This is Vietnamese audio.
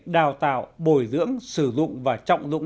đào tạo bồi dưỡng sử dụng và trọng dụng